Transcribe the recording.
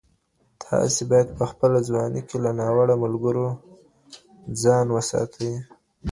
تاسي باید په خپله ځواني کي له ناوړه ملګرو ځان وساتئ.